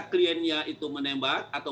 kliennya itu menembak atau